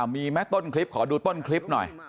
มีไหมต้นคลิปขอดูต้นคลิปหน่อย